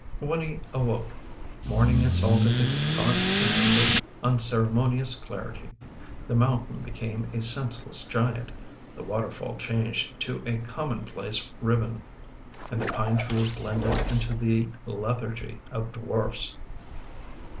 When he awoke, morning assaulted the gaunt scene with unceremonious clarity. The mountain became a senseless giant; the waterfall changed to a commonplace ribbon: and the pine trees blended into the lethargy of dwarfs.